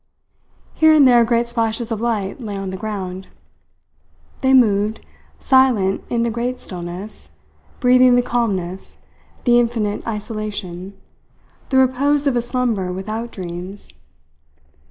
Here and there great splashes of light lay on the ground. They moved, silent in the great stillness, breathing the calmness, the infinite isolation, the repose of a slumber without dreams.